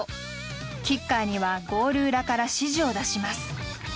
キッカーにはゴール裏から指示を出します。